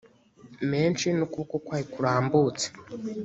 menshi n ukuboko kwayo kurambutse